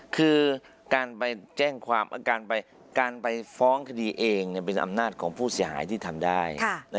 คือการไปแจ้งความการไปฟ้องคดีเองเป็นอำนาจของผู้เสียหายที่ทำได้